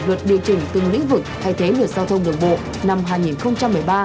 luật điều chỉnh từng lĩnh vực thay thế luật giao thông đường bộ năm hai nghìn một mươi ba